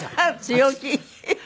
強気。